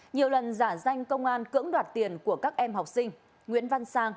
nhiều lần giả danh công an cưỡng đoạt tiền của các em học sinh nguyễn văn sang